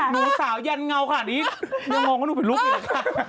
หนูสาวยันเงาค่ะนี่ยังมองว่าหนูเป็นลุคอีกเลยค่ะ